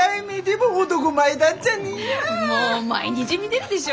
もう毎日見てるでしょ。